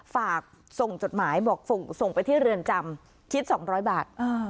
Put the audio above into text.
ส่งจดหมายบอกส่งไปที่เรือนจำคิด๒๐๐บาท